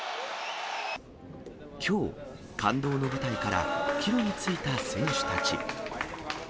きょう、感動の舞台から帰路に就いた選手たち。